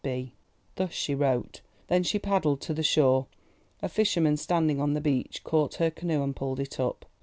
—B." Thus she wrote. Then she paddled to the shore. A fisherman standing on the beach caught her canoe and pulled it up.